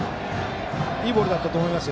いいボールだったと思います。